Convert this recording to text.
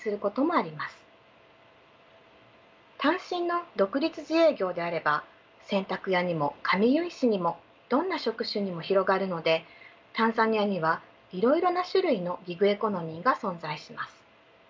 単身の独立自営業であれば洗濯屋にも髪結い師にもどんな職種にも広がるのでタンザニアにはいろいろな種類のギグエコノミーが存在します。